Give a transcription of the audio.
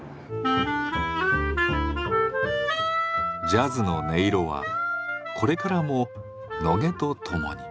ジャズの音色はこれからも野毛と共に。